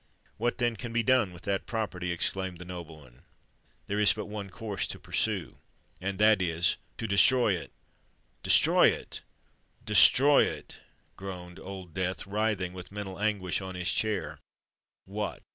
What, then, can be done with that property?" exclaimed the nobleman: "there is but one course to pursue—and that is, to destroy it!" "Destroy it!—destroy it!" groaned Old Death, writhing with mental anguish on his chair: "what?